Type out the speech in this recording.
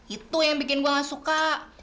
itu yang bikin gue gak suka